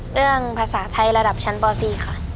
เรื่องภาษาไทยระดับชั้นป๔ค่ะ